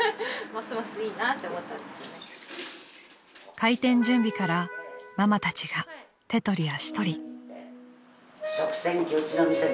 ［開店準備からママたちが手取り足取り］